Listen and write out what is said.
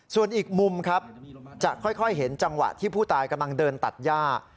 ส่วนอีกมุมครับจะค่อยเห็นจังหวะที่ผู้ตายกำลังเดินตัดย่า